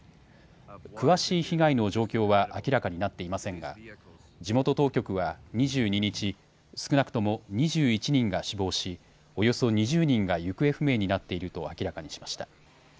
詳しい被害の状況は明らかになっていませんが地元当局は２２日、少なくとも２１人が死亡し、およそ２０人が行方不明になっていると明らかにしました。